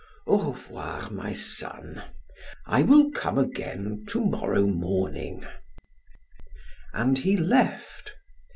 "Au revoir, my son. I will come again to morrow morning"; and he left.